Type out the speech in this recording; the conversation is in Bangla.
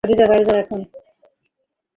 খাদিজাহ, বাড়ি যাও এখন।